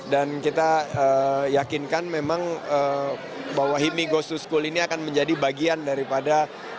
dan kita yakinkan memang bahwa hipmi goes to school ini akan menjadi bagian dari program